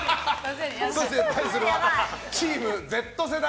対するはチームＺ世代。